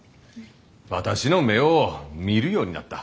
私の目を見るようになった。